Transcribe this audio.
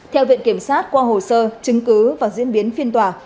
theo viện kiểm sát qua hồ sơ chứng cứ và diễn biến phiên tòa